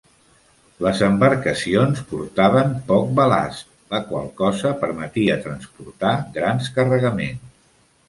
Les embarcacions portaven poc balast, la qual cosa permetia transportar grans carregaments.